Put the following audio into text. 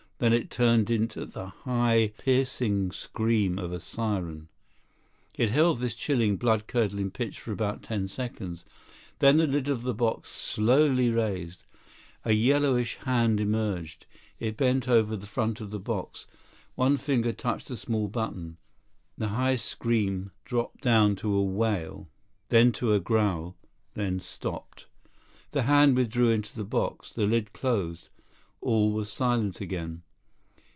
Then it turned into the high, piercing scream of a siren. It held this chilling, blood curdling pitch for about ten seconds. Then the lid of the box slowly raised. A yellowish hand emerged. It bent over the front of the box. One finger touched a small button. The high scream dropped down to a wail, then to a growl, then stopped. The hand withdrew into the box. The lid closed. All was silent again.